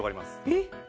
えっ？